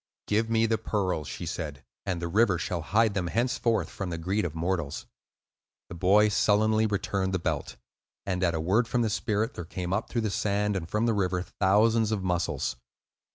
"Give me the pearls," she said, "and the river shall hide them henceforth from the greed of mortals." The boy sullenly returned the belt; and, at a word from the spirit, there came up through the sand and from the river thousands of mussels.